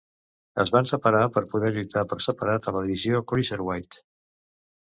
Es van separar per poder lluitar per separat a la divisió cruiserweight.